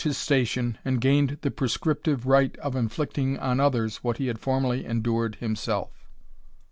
his station, and gained the prescriptive right of inflicting on others what he had formeriy endured himself.